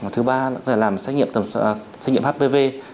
thứ ba là xét nghiệm hpv